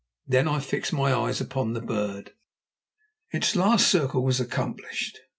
Then I fixed my eyes upon the bird. Its last circle was accomplished.